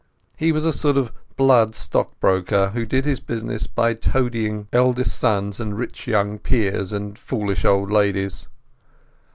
He was a sort of blood stockbroker, who did his business by toadying eldest sons and rich young peers and foolish old ladies.